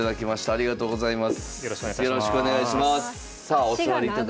ありがとうございます。